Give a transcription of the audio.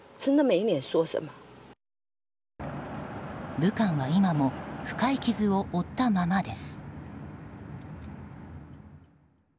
武漢は今も深い傷を負ったままです。